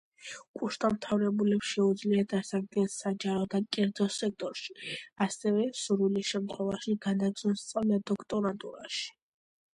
კურსდამთავრებულებს შეუძლიათ დასაქმდნენ საჯარო და კერძო სექტორში, ასევე, სურვილის შემთხვევაში, განაგრძონ სწავლა დოქტორანტურაში.